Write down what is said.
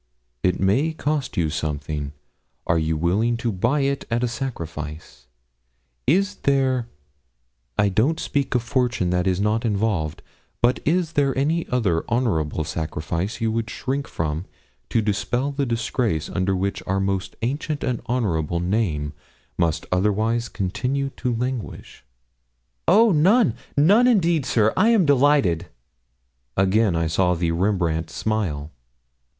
It may cost you something are you willing to buy it at a sacrifice? Is there I don't speak of fortune, that is not involved but is there any other honourable sacrifice you would shrink from to dispel the disgrace under which our most ancient and honourable name must otherwise continue to languish?' 'Oh, none none indeed, sir I am delighted!' Again I saw the Rembrandt smile.